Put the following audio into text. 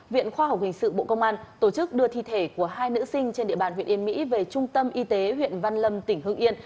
viện khoa học hình sự bộ công an tổ chức đưa thi thể của hai nữ sinh trên địa bàn huyện yên mỹ về trung tâm y tế huyện văn lâm tỉnh hưng yên